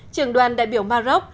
trường đoàn đại biểu maroc